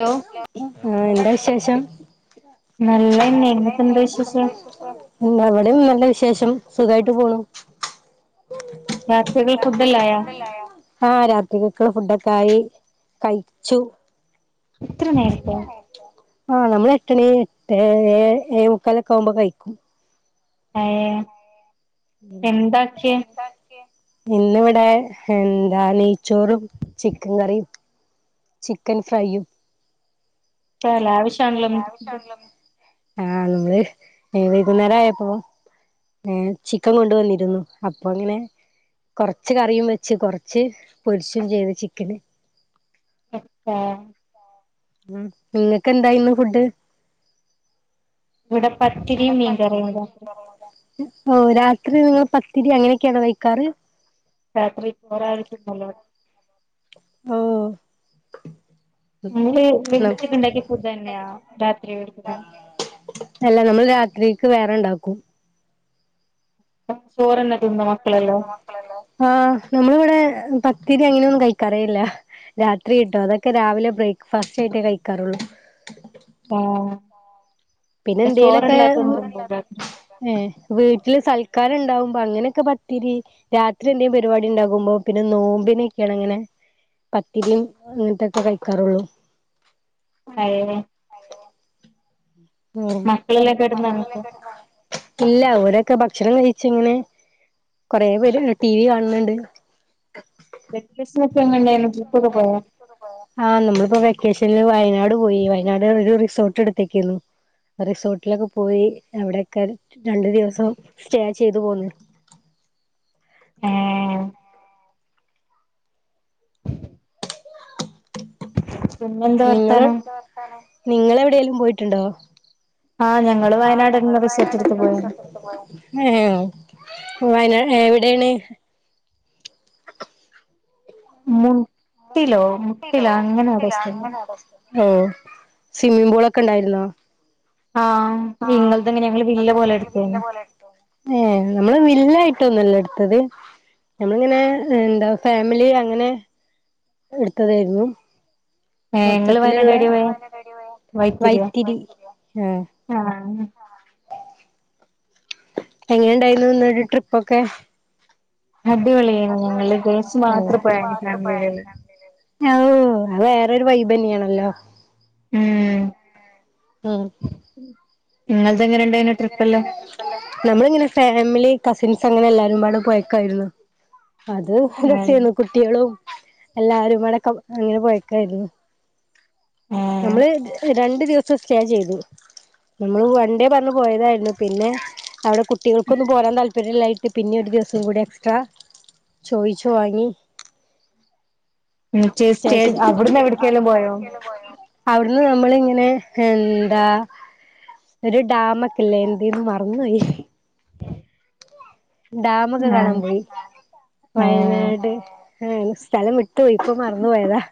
Hello ആ എന്താ വിശേഷം നല്ലന്നെ എന്തൊക്കെണ്ട് വിശേഷം ഇവിടെം നല്ല വിശേഷം സുഖായിട്ട് പോവ്ന്ന് രാത്രികൾ ഫുഡെല്ലാം ആയോ ആ രാത്രിക്കക്ക്ള്ള ഫുഡൊ കയ് കയ്ച്ചു ഇത്ര നേരത്തെയൊ ആ നമ്മൾ എട്ടണി ഏഴെ ഏഴെ മുക്കാലൊക്കാവുമ്പോ കഴിക്കും ഏയേ പിന്നെ ഇന്നിവിടെ എന്താ നെയ്ച്ചോറും ചിക്കൻ കറിയും ചിക്കൻ ഫ്രൈയും ആ ലാവിഷാണല്ലോ ഇന്ന് ആ നമ്മള് വൈകുന്നേരം ആയപ്പോ ഏ ചിക്കൻ കൊണ്ടുവന്നിരുന്നു അപ്പൊ അങ്ങനെ കൊറച്ച് കറിയും വെച്ച് കൊറച്ച് പൊരിച്ചും ചെയ്ത് ചിക്കന് അ ഉം നിങ്ങക്ക് എന്തായിന്ന് ഫുഡ് ഇവിടെ പത്തിരിയും മീൻ കറിയുമാ രാത്രി ഓ രാത്രി നിങ്ങള് പത്തിരി അങ്ങനെയൊക്കെയാണ് കഴി ക്കാറ് രാത്രി ചോറാരിക്കും നല്ലത് ഓ നിങ്ങള് വെളിച്ചൊക്കെണ്ടാക്കിയ ഫുഡ് തന്നെയാ രാത്രി എടുക്കുന്നെ അല്ല നമ്മൾ രാത്രി ക്ക് വേറെ ഉണ്ടാക്കും ചോറ് തന്നെ ആഹ് നമ്മളിവിടെ പത്തിരി അങ്ങനെയൊന്നും കയിക്കാറേല്ല രാത്രി ഇട്ടോ അതൊക്കെ രാവിലെ ബ്രേക്ക്ഫാസ്റ്റ് ആയിട്ടേ കഴിക്കാറുള്ളൂ ആഹ് പിന്നെ ഇവിടെ എന്തേലൊക്കെ ചോറില്ലാത്തതും തിന്നും രാത്രി ഏ വീട്ടിൽ സൽക്കാരം ഇണ്ടാവുമ്പോ അങ്ങനെയൊക്കെ പത്തിരി രാത്രി എന്തേം പരിപാടി ഇണ്ടാകുമ്പോ പിന്നെ നോമ്പിനൊക്കെയാണ് അങ്ങനെ പത്തിരിയും അങ്ങനത്തൊക്കെ കഴിക്കാറുള്ളൂ അയ്യോ ഉം മക്കളെല്ലാം കെടന്നോ എന്നിട്ട് ഇല്ല ഓരൊക്കെ ഭക്ഷണം കഴി ച്ച് ഇങ്ങനെ കൊറെ പേര് ടി വി കാണുന്ന്ണ്ട് വെക്കേഷനൊക്കെ എങ്ങനെണ്ടായിരുന്നു ട്രിപ്പൊക്കെ പോയോ ആഹ് നമ്മളിപ്പോ വെക്കേഷൻല് വയ വയനാട് പോയി വയനാട് ഒരു റിസോർട്ട് എടുത്തെക്കുന്ന് റിസോർട്ടിലൊക്കെ പോയി എവിടൊക്കെ രണ്ടു ദിവസം സ്റ്റേ ചെയ്തു പോന്നു ഏഹ് പിന്നെന്താ നിങ്ങള് വർത്താനം നിങ്ങളെ ടേലും പോയിട്ടുണ്ടോ ആഹ് ഞങ്ങള് ആ വയനാട്ന്നെ ഞങ്ങള് റിസോർട്ട് എടുത്ത് വയനാടൊക്കെ പോയ റിസോർട്ട് എടുത്ത് പോയാര്ന്ന് ഏഹ് ഉം വയനാട് എവിടേണ് [unintelligible] മുട്ടിലോ മുട്ടിലോ അങ്ങനേതോ സ്ഥലം ഓ സ്വിമ്മിംഗ് പൂളൊക്കെ ഉണ്ടായിരുന്നോ ആഹ് ഇങ്ങളതന്നെ ഞങ്ങള് വില്ല പോലെ എടുത്തേന്ന് ഏഹ് നമ്മള് വില്ല എ ട്ടൊന്നുവല്ല എടുത്തത് ഞമ്മളിങ്ങനെ എന്താ ഫാമിലി അങ്ങനെ എടുത്തതായിരുന്നു ഏ ങ്ങള് മൊത്തത്തിലുള്ള വയനാടേടെയാ പോയെ വൈത്തിരിയാ വൈത്തിരി ആഹ് ആ എങ്ങനെണ്ടായിരു [unintelligible] ട്രിപ്പൊക്കെ അടിപൊളിയന്ന് ഞങ്ങൾ ഗേൾസ് മാത്ര പോയ ഫാമിലിലുള്ള ഓ അത് വേറൊരു വൈബന്നിയണല്ലോ ഉം ഉം ഇന്നല് നമ്മൾ ഇങ്ങനെ ഫാമിലി കസിൻസ് അങ്ങനെ എല്ലാരുംപാട് പോയെക്കായിരുന്നു അത് ആഹ് രസന്നു കുട്ട്യാളും എല്ലാരും അടക്കം അങ്ങനെ പോയക്കായിരുന്നു ആഹ് നമ്മൾ [unintelligible] രണ്ടു ദിവസം സ്റ്റേ ചെയ്തു നമ്മൾ വൺഡേ പറഞ്ഞു പോയതായിരുന്നു പിന്നെ അവിടെ കുട്ടികൾക്കൊന്നും പോരാൻ താല്പര്യമില്ലയി പിന്നെ ഒരു ദിവസം കൂടി എക്സ്ട്രാ ചോയിച്ചു വാങ്ങി എന്നിട്ട് [inaudible] സ്റ്റേ അവിടുന്ന് എവിടക്കേലും പോയോ അവിടുന്ന് നമ്മളിങ്ങനെ എന്താ ഒരു ഡാമൊക്കെല്ലേ എന്തെനു മറന്നോയി ഡാമൊക്കെ ആഹ് കാണാൻ പോയി ആഹ് വയനാട് എ സ്ഥലം വിട്ട് പോയിപ്പം മറന്നുപോയതാ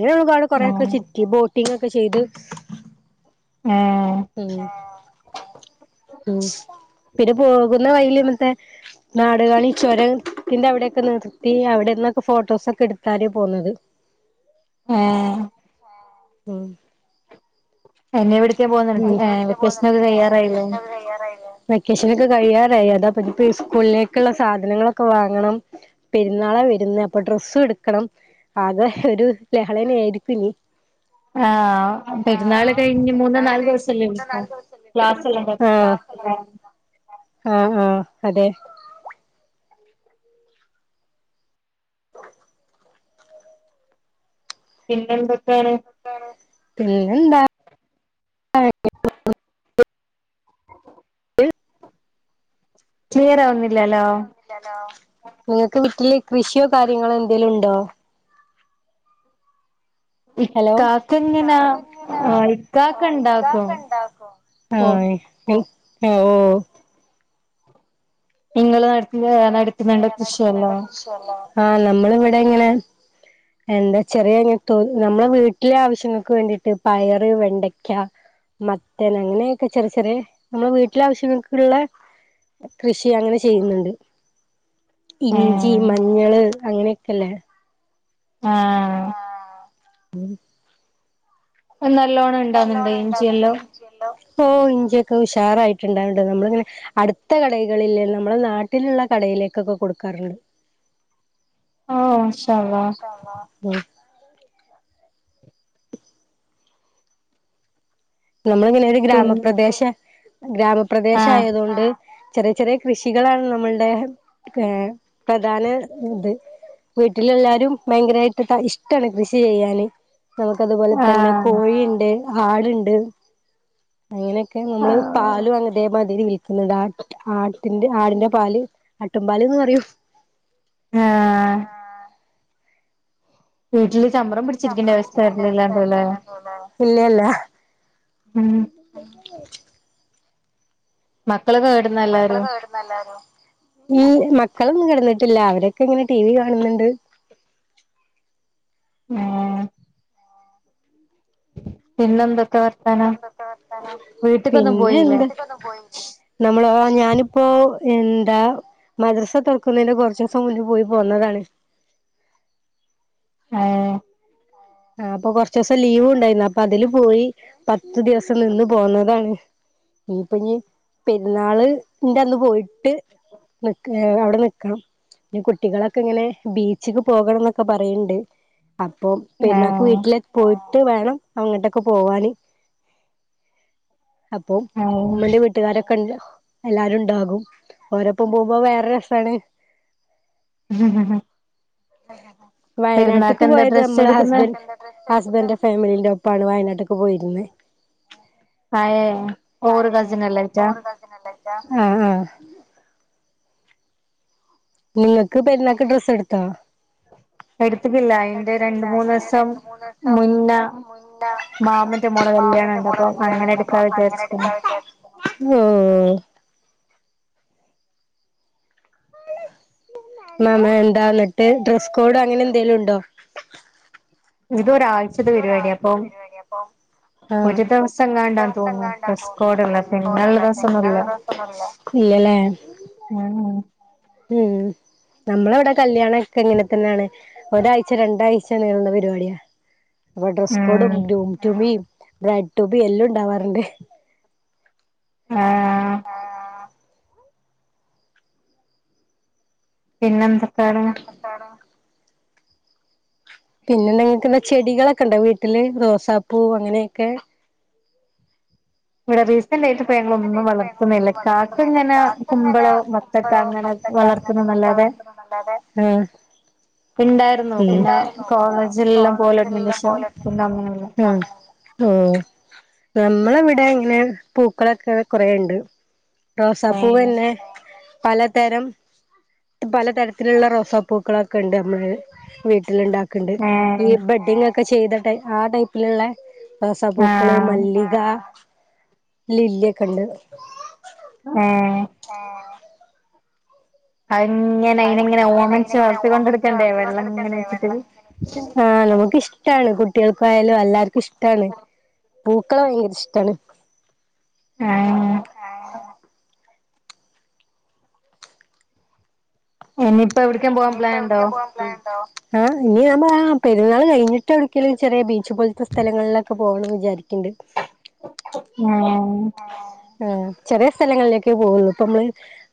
ൻ ഒരുപാട് കുറെയൊക്കെ ആഹ് ചിറ്റിബോ ക്കിങ്ങാക്കെ ചെയ്ത് ഏഹ് ഉം ഉം പിന്നെ പോകുന്ന വഴിയിലിന്ന്ട്ട് [unintelligible] നാടുകാണി ചൊരം ത്തിന്റെ അവിടൊക്കെ നിർത്തി അവിടെന്നൊക്കെ ഫോട്ടോസൊക്കെ എട്ത്താരെ പോന്നത് ഏ ഹ് ഉം എന്നെവിട് [unintelligible] ഇവിടേക്ക് പോന്നു വെക്കേഷൻ ഒക്കെ കഴിയാറായില്ലേ വെക്കേഷൻ നൊക്കെ കഴിയാറായി അതാപ്പ സ്കൂളിലേക്ക്ള്ള സാധനങ്ങളൊക്കെ വാങ്ങണം പെരുന്നാളാ വരുന്നേ അപ്പൊ ഡ്രസ്സും എടുക്കണം ആകെ ഒരു ലഹളേനേയിരിക്കും ഇനി ആഹ് പെരുന്നാള് കഴിഞ്ഞു മു ന്ന്നാല് ദിവസല്ലേ [unintelligible] ക്ലാസെല്ലെ ആഹ് [unintelligible] ആഹ് ആഹ് അതെ പിന്നെന്തൊക്കേണ് പിന്നെന്താ [inaudible] റ്റിയറാവുന്നിലല്ലോ [inaudible] നിങ്ങക്ക് വീട്ടില് കൃഷിയോ കാര്യങ്ങളോ എന്തേലു ഉണ്ടോ ഹലോ ഇക്കാക്ക ഇങ്ങനാ ഇക്കാക്ക എങ്ങനാ ആഹ് ഇക്കാക്ക ഇക്കാക്ക ഇണ്ടാക്കും ഇണ്ടാക്കും ഓ ആ ഓ ഓ നിങ്ങള് നടത്തുന്ന നിങ്ങൾ നടത്തുന്നുണ്ടോ നടത്തുന്ന കൃഷിയെല്ലാം കൃഷിയല്ലേ ആ നമ്മൾ ഇവിടെ ഇങ്ങനെ എന്താ ചെറിയ നമ്മളെ വീട്ടിലെ ആവശ്യങ്ങൾക്ക് വേണ്ടിയിട്ട് പയറ് വെണ്ടയ്ക്ക മത്തൻ അങ്ങനെയൊക്കെ ചെറിയ ചെറിയ നമ്മെ വീട്ടിലെ ആവശ്യങ്ങൾക്കുള്ള കൃഷി അങ്ങനെ ചെയ്യുന്നുണ്ട് ഇഞ്ചി ഏഹ് മഞ്ഞള് അങ്ങനെ ഇല്ലെ ആഹ് ആ ഉം നല്ലോണം ഇണ്ടാവുന്നുണ്ടോ നല്ലോണം ഇണ്ടാവണ്ട് ഇഞ്ചിയെല്ലാം ഇഞ്ചിയല്ലാം ഇഞ്ചി ഉഷാറായിട്ടുണ്ടാറുണ്ട് നമ്മളിങ്ങനെ അടുത്ത കടകളിൽ നമ്മളെ നാട്ടിലുള്ള കടയിലേക്കൊക്കെ കൊടുക്കാറുണ്ട് ആ ഇൻഷാ അല്ലാഹ് മം നമ്മളിങ്ങനെ ഒരു പിന്നെ ഗ്രാമപ്രദേശ ഗ്രാമപ്രദേശ ആഹ് ആയതോണ്ട് ചെറിയ ചെറിയ കൃഷികളാണ് നമ്മളുടെ ഏ പ്രധാന ഇത് വീട്ടിലെല്ലാരും ഭയങ്കരമായിട്ട് ഇഷ്ടണ് കൃഷി ചെയ്യാന് നമുക്ക് അതുപോലെ തന്നെ ആഹ് കോഴിയുണ്ട് പാട്ണ്ട് അങ്ങനെയൊക്കെ നമ്മള് പാലും അങ്ങനെ അത് മാതിരി എന്ന ആട്ടിന്റെ ആടിന്റെ പാല് ആട്ടുമ്പാലും ന്ന്‌പറയും ആഹ് ആഹ് വീട്ടില് ചമ്പരം പിടിച്ചിരിക്കേണ്ട അവസ്ഥ വരില്ലല്ലോ അല്ലേ ഇല്ല ല്ല ഉം മ ഇല്ല മ മക്കളൊന്നും കിടന്നിട്ടില്ല അവരൊക്കെ ഇങ്ങനെ ടി വി കാണുന്നുണ്ട് ആ പിന്നെന്ത് വീട്ട്ക്കൊന്നും പിന്നെ പോയില്ലേ ഇ നമ്മള ഞാനിപ്പോ എന്താ മദ്രസ തൊറക്ക്ണേന്റെ കുറച്ചു ദിവസം മുന്ന പോയി പോന്നതാണ് ഏഹ് ആ അപ്പൊ കൊറച്ചുസം ലീവൂണ്ടായിരുന്നു, അപ്പൊ അതില് പോയി, പത്തു ദിവസം നിന്ന് പോന്നതാണ്, ഇനിയിപ്പോ ഇനി പെരുന്നാള് ന്റെ അന്ന് പോയിട്ട് നിക്ക് ഏഹ് അവിടെ നിക്കണം, പിന്നെ കുട്ടികളൊക്കെ ഇങ്ങനെ ബീച്ചിക്ക് പോകണന്നൊക്കെ പറയണ്ട് അപ്പൊ പെരുന്നാക്ക് ഏഹ് വീട്ടിലേക്ക് പോയി ട്ട് വേണം അങ്ങട്ടൊക്കെ പോവാന്. അപ്പൊ ഏഹ് ഉമ്മന്റെ വീട്ടുകാരൊ [unintelligible] എല്ലാരും ഉണ്ടാകും ഓരപ്പം പോകുമ്പോ വേറെ രസമാണ് [unintelligible] [unintelligible] പെരുന്നാക്ക് എന്താ ഡ്രസ്സ് എടുക്കുന്ന [unintelligible] ഹസ്ബ ന്റെ ഫാമിലിന്റെ ഒപ്പാണ് വയനാട്ട്ക്ക് [unintelligible] പോയിര്ന്ന് [unintelligible] [unintelligible] കസിനല്ലായിട്ടാ ഓര് കസിനല്ലേച്ചാ [unintelligible] നിങ്ങക്ക് പെരുന്നാക്ക് ഡ്രസ്സ് എടുത്താ എടുത്തിക്കില്ല അയിന്റെ രണ്ട് എടുത്തിട്ടില്ല [unintelligible] മൂന്നീസം രണ്ടു മൂന്ന് സം മുന്ന മുന്ന മാമന്റെ മോളെ മാമ്മന്റെ കല്യാണണ്ട് മോള അപ്പം കല്യാണം അങ്ങനെ ഉണ്ട് എടുക്കാ അപ്പൊ അങ്ങനെ വിചാരിച്ച്ക്ക്ണ് എടുക്കാ എന്ന് [unintelligible] മാമ എന്താ അന്നിട്ട് ഡ്രസ്സ് കോഡോ അങ്ങനെ എന്തേലും ഉണ്ടോ ഇതൊര ആഴ് ഇതൊരാഴ്ചത്തെ പരിപാടിയാ അപ്പോ ആ ഒരു ഒരു ദിവസംങ്ങാണ്ടാന്ന് ദിവസം തോന്നുന്നു എങ്ങാണ്ടാ ഡ്രസ് തോന്ന്ണു കോഡ്ള്ള ഡ്രസ്സ് കോഡ് പിന്നെള്ള ഉള്ളെ ദിവസൊന്നുല്ല [unintelligible] ദിവസം ഒന്നുമില്ല. ഇല്ല ലെ ഉം ഉം നമ്മുടെ ഇവിടെ കല്യാണ എങ്ങനെ തന്നെയാണ് ഒരാഴ്ച രണ്ടാഴ് ചകണികളുടെ പരിപാടിയാ ഈ ഡ്രസ്സ്‌ കോഡും ഉം ഗ്രൂമ് റ്റു മീ മ് ബ്രെഡ് ടൂബി എല്ലാം ഉണ്ടാവാറുണ്ട് അ പിന്നെന്തൊക്കെണ് പിന്നെന്ത നിങ്ങൾക്ക് ചെടികളൊക്കെ ഉണ്ടാവ വീട്ടില് റോസാപ്പൂ അങ്ങനെയൊക്കെ ഇവിടേ റീസ് ഇങ്ങനെ കുമ്പളോ വത്തക്ക അങ്ങനെ വളർത്തുന്നല്ലാതെ മ് ഇണ്ടായിരുന്നു പിന്നെ കോളേജിൽ എല്ലാം കോളേജ് പോയേലിൻ ശേഷം ഒന്നും പിന്നെ നമ്മളെവിടെ ഇങ്ങനെ പൂക്കളൊക്കെ കൊരെണ്ട്‌ റോസാപ്പൂ ഏഹ് എന്നെ പലതരം പലതരത്തിലുള്ള റോസാപ്പൂക്കളൊക്കെ ഉണ്ട് നമ്മള് വീട്ടിലുണ്ടാക് ക്ണ്ട് ഈ ബഡിങ് ഒക്കെ ചെയ്തിട്ട് ആ ടൈപ്പിലുള്ളെ റോസാ പൂക്കള് ആഹ് മല്ലിക ലില്ലയൊകെണ്ട് ഏ ഏ അതിങ്ങനെ അയിനെങ്ങനെ ഓമനിച്ചു വളർത്തി കൊണ്ടെടുക്കണ്ടേ വെള്ളം എങ്ങനെ ഒഴിച്ചിട്ട് ആഹ് നമുക്കിഷ്ടാണ് കുട്ടികൾക്കായാലും എല്ലാർ ഇഷ്ടാണ് പൂക്കളെ ഭയങ്കര ഇഷ്ടാണ് ഏ [unintelligible] പോവാൻ ഇനിയിപ്പോ പ്ലാൻ ഉണ്ടോ എവിടക്കാൻ പോവാൻ പ്ലാൻ ഉണ്ടോ ഇനി നമ്മള് പെരുന്നാൾ കഴിഞ്ഞിട്ട് എവിടെക്കെല് ചെറിയ ബീ ച്ച് പോലത്തെ സ്ഥലങ്ങളിലൊക്കെ പോണെന്നു വിചാരിക്കും അ ഏഹ് ആ ചെറിയ സ്ഥലങ്ങളിലേക്കെ പോകുന്നു ഇപ്പ നമ്മള്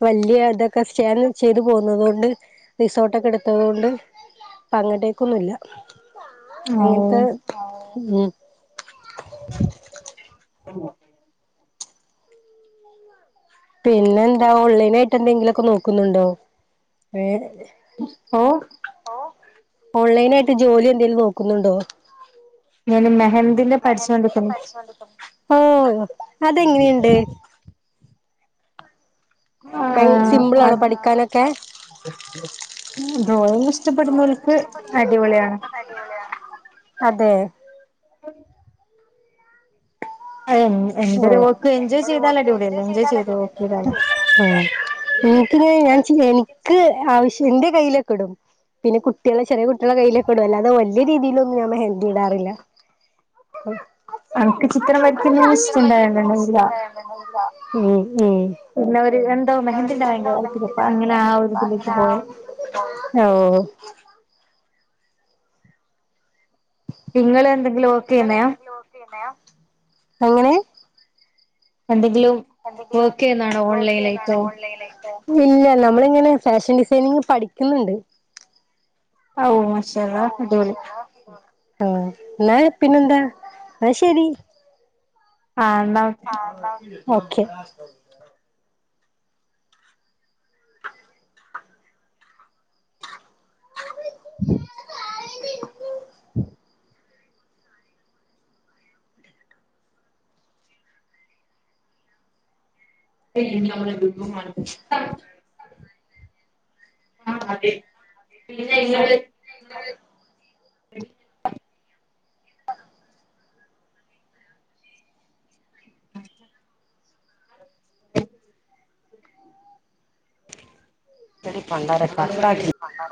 വലിയ ഇ സ്റ്റെയർറിംഗ് ചെയ്തു പോകുന്നതുകൊണ്ട് [inaudible] റിസോർട്ടൊക്കെ എടുത്തത് കൊണ്ട് അപ്പം അങ്ങിട്ടേക്കൊന്നുമില്ല ആഹ് എങ്ങനത്തെ ഉം [unintelligible] പിന്നെ എന്താ ഓൺലൈൻ ആയിട്ട് എന്തെങ്കിലൊക്കെ നോക്കുന്നുണ്ടോ ഏഹ് ഓ ഓ ഓൺലൈന ജോലി എന്തേലും നോക്കുന്നുണ്ടോ ഞാൻ മെഹന്തിന്റെ പഠിച്ചൊണ്ടിക്കണ് ഓ അതെങ്ങനെയുണ്ട് ഭയ ആഹ്ഹ് അ സിമ്പിളാണോ പഠിക്കാനൊക്കെ ഡ്രോയിങ് ഇഷ്ടപ്പെടുന്നവർക്ക് അടിപൊളിയാണ് അതെ [unintelligible] എന്തൊരു വർക്ക് എൻജോയ് ചെയ്താൽ അടിപൊളിയല്ലേ എൻജോയ് ചെയ്ത് വർക്ക് ചെയ്താല് ഉം എനിക്ക് ഇനി ഞാൻ ചെ എനിക്ക് ആവിശ്യ എന്റെ കയ്യിലൊക്കെ ഇടും പിന്നെ കുട്ടികള ചെറിയ കുട്ടികളുടെ കയ്യിലൊക്കെ ഇടും അല്ലാതെ വലിയ രീതിയിലൊന്നും ഞാൻ മെഹന്തി ഇടാറില്ല അനക്ക് ചിത്രം വരയ്ക്കുന്നോന്നും ഇഷ്ട [unintelligible] ഉം ഉം പിന്നെ ഒരു എന്തോ മെഹന്തിന്റെ ഭയങ്കര താല്പര്യം അപ്പൊ അങ്ങനെ ആ ഒരു ഇതിലേക്ക് പോയെ ഓ ഓ നിങ്ങള് എന്തെങ്കിലും ഓക്കെയ്ന്നയാ എങ്ങനെ എന്ത്‌ ഓക്കേ എന്നാടാ ഓൺലൈന് ലേറ്റ് ആകും ഇല്ല നമ്മളിങ്ങനെ ഫാഷൻ ഡിസൈനിങ് പഠിക്കുന്നുണ്ട് ആ ഓ ഓ അ ല്ല അടിപൊളി ആ എന്നാ പിന്നെന്താ ആ ശരി ആഹ് എന്നാ ഓ ഓക്കെ [unintelligible] [unintelligible] [inaudible] മ്മ് അതെ പിന്നെ [unintelligible] [inaudible] [unintelligible] കട്ട [unintelligible]